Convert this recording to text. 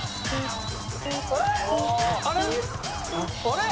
あれ？